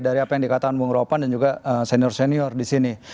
dari apa yang dikatakan bung ropan dan juga senior senior di sini